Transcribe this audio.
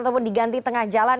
ataupun diganti tengah jalan